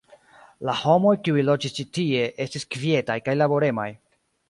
La homoj, kiuj loĝis ĉi tie, estis kvietaj kaj laboremaj.